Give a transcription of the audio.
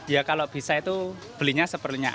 ya kalau bisa itu belinya seperlunya